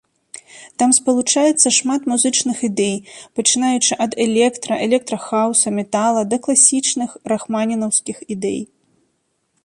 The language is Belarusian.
Там спалучаецца шмат музычных ідэй, пачынаючы ад электра, электрахаўса, метала да класічных, рахманінаўскіх ідэй.